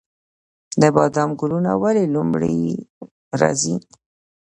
د بادام ګلونه ولې لومړی راځي؟